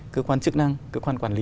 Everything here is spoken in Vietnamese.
cơ quan chức năng cơ quan quản lý